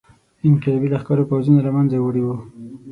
انقلابي لښکرو پوځونه له منځه وړي وو.